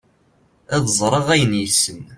ad ẓreɣ ayen yessen